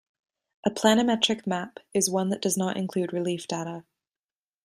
A "planimetric map" is one that does not include relief data.